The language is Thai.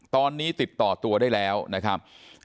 ตอนนี้ติดต่อตัวได้แล้วนะครับ